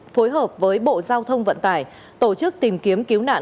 phối hợp với bộ giao thông vận tải tổ chức tìm kiếm cứu nạn